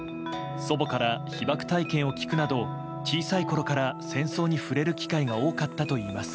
祖母から被爆体験を聞くなど小さいころから戦争に触れる機会が多かったといいます。